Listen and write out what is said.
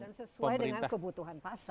dan sesuai dengan kebutuhan pasar